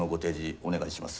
お願いします。